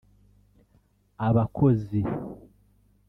Abakozi